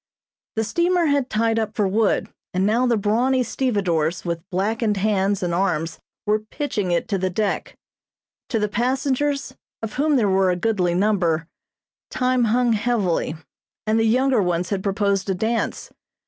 The steamer had tied up for wood, and now the brawny stevedores with blackened hands and arms were pitching it to the deck. To the passengers, of whom there were a goodly number, time hung heavily, and the younger ones had proposed a dance.